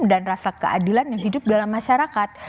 dan rasa keadilan yang hidup dalam masyarakat